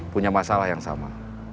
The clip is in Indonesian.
punya masalah yang sama